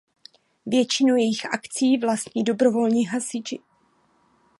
Většinu jejích akcií vlastní dobrovolní hasiči.